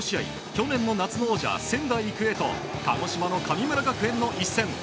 去年の夏の王者、仙台育英と鹿児島の神村学園の一戦。